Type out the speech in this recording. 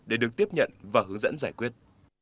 để được tiếp nhận và hướng dẫn giải quyết